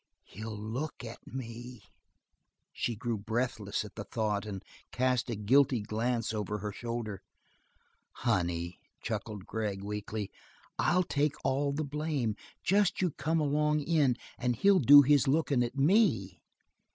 "He'll look at me." She grew breathless at the thought, and cast a guilty glance over her shoulder. "Honey," chuckled Gregg, weakly, "I'll take all the blame. Just you come along in and he'll do his lookin' at me."